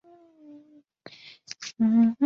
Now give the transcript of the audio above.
米尔斯伯勒下属的一座城镇。